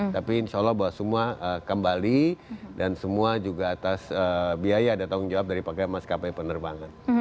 tapi insya allah buat semua kembali dan semua juga atas biaya ada tanggung jawab dari pak km skp penerbangan